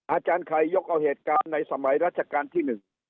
อาจารย์ไข่ยกเอาเหตุการณ์ในสมัยราชการที่๑